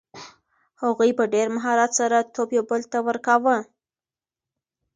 هغوی په ډېر مهارت سره توپ یو بل ته ورکاوه.